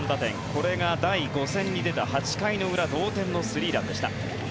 これが第５戦に出た８回の裏同点のスリーランでした。